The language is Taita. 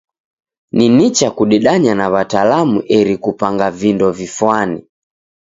Ni nicha kudedanya na w'atalamu eri kupanga vindo vifwane.